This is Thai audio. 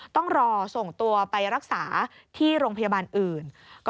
ต้องรอส่งตัวไปรักษาที่โรงพยาบาลอื่น